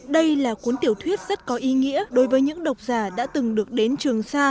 đây là cuốn tiểu thuyết rất có ý nghĩa đối với những độc giả đã từng được đến trường sa